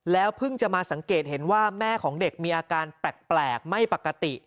เพิ่งจะมาสังเกตเห็นว่าแม่ของเด็กมีอาการแปลกไม่ปกติ